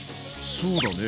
そうだね。